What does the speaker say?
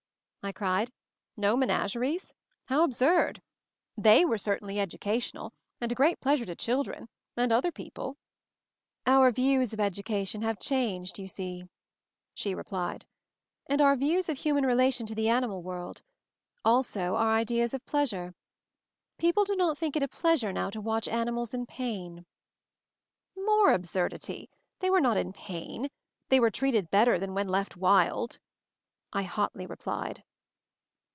I cried. "No menageries!" How absurd! They were certainly educa tional, and a great pleasure to children— and other people." "Our views of education have changed you see," she replied; "and our views of human relation to the animal world; also our ideas of pleasure. People do not think it a pleasure now to watch animals in pain." "More absurdity! They were not in pain. They were treated better than when left wild," I hotly replied.